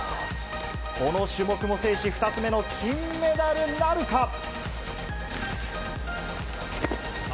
この種目も制し２つ目の金メダルなるか。